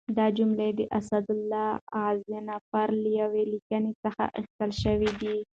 دا جملې د اسدالله غضنفر له یوې لیکنې څخه اخیستل شوي دي.